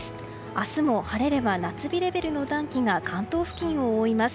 明日も晴れれば夏日レベルの暖気が関東付近を覆います。